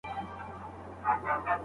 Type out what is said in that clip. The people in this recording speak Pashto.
خلک په خونه کې راټول دي.